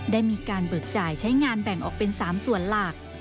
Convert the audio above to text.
ได้มีการเบิกจ่ายใช้งานแบ่งออกเป็น๓ส่วนหลัก